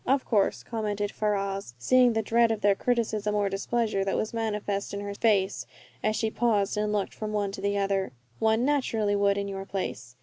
"Of course," commented Ferrars, seeing the dread of their criticism or displeasure that was manifest in her face as she paused and looked from one to the other. "One naturally would in your place."